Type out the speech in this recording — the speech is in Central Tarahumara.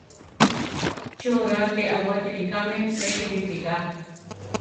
Chi oraa ké awátiri kame echi ripigá?